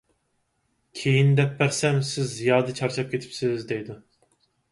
كېيىن دەپ بەرسەم، سىز زىيادە چارچاپ كېتىپسىز دەيدۇ.